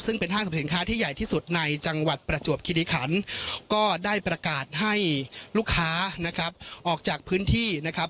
ซึ่งเป็นห้างสรรพสินค้าที่ใหญ่ที่สุดในจังหวัดประจวบคิริขันก็ได้ประกาศให้ลูกค้านะครับออกจากพื้นที่นะครับ